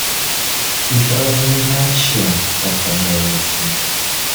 И фраза, не знаю чем, так понравилась им.